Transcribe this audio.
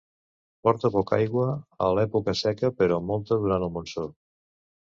Porta poca aigua a l'època seca però molta durant el monsó.